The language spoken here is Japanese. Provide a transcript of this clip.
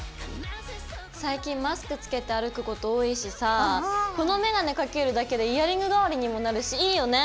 最近マスクつけて歩くこと多いしさこのメガネかけるだけでイヤリング代わりにもなるしいいよね。